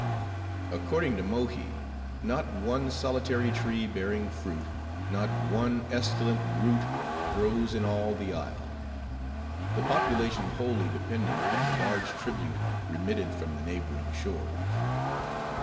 According to Mohi, not one solitary tree bearing fruit, not one esculent root, grows in all the isle; the population wholly depending upon the large tribute remitted from the neighboring shores.